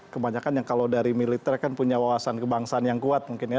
kebanyakan yang kalau dari militer kan punya wawasan kebangsaan yang kuat mungkin ya